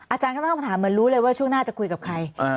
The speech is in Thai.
อาจารย์ก็ต้องมาถามเหมือนรู้เลยว่าช่วงหน้าจะคุยกับใคร